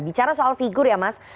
bicara soal figur ya mas